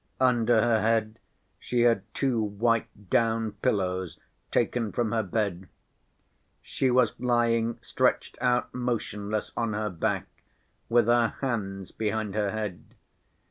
Under her head she had two white down pillows taken from her bed. She was lying stretched out motionless on her back with her hands behind her head.